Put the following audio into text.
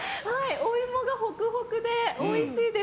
お芋がホクホクでおいしいです。